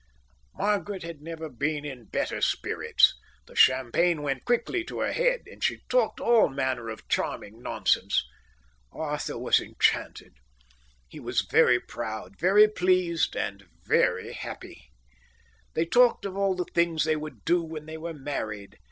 Margaret had never been in better spirits. The champagne went quickly to her head, and she talked all manner of charming nonsense. Arthur was enchanted. He was very proud, very pleased, and very happy. They talked of all the things they would do when they were married.